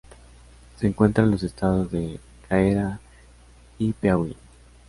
Se encuentra en los estados de Ceará y Piauí.